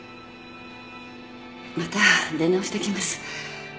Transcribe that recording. また出直してきます。